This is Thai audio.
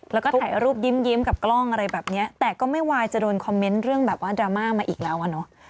แล้วก็ถ่ายรูปยิ้มกับกล้องอะไรแบบนี้แต่ก็ไม่วายจะโดนคอมเมนต์เรื่องแบบว่าดราม่ามาอีกแล้วอ่ะเนอะ